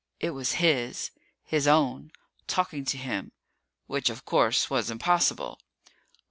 It was his. His own. Talking to him. Which, of course, was impossible.